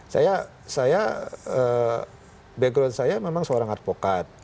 saya background saya memang seorang advokat